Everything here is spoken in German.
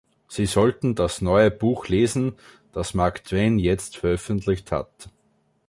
Sie sollten das neue Buch lesen, das Mark Twain jetzt veröffentlicht hat.